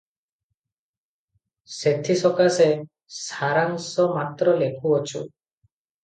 ସେଥିସକାଶେ ସାରାଂଶ ମାତ୍ର ଲେଖୁଅଛୁ